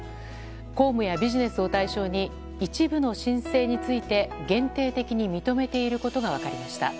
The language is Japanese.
公務やビジネスを対象に一部の申請について限定的に認めていることが分かりました。